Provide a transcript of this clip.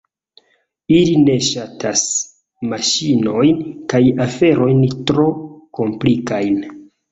Ili ne ŝatas maŝinojn kaj aferojn tro komplikajn.